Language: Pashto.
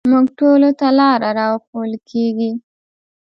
موږ ټولو ته لاره راښوول کېږي.